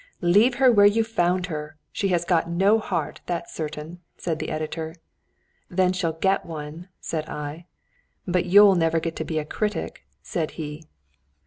"Leave her where you found her! She has got no heart that's certain!" said the editor. "Then she'll get one!" said I. "But you'll never get to be a critic," said he.